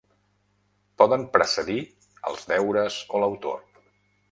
Poden precedir els deures o l'autor.